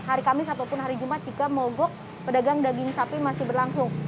hari kamis ataupun hari jumat jika mogok pedagang daging sapi masih berlangsung